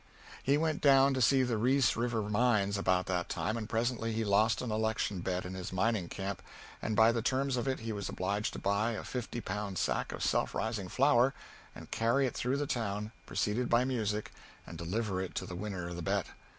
He went down to the Reese River mines about that time and presently he lost an election bet in his mining camp, and by the terms of it he was obliged to buy a fifty pound sack of self raising flour and carry it through the town, preceded by music, and deliver it to the winner of the bet.